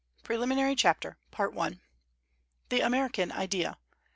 PRELIMINARY CHAPTER THE AMERICAN IDEA.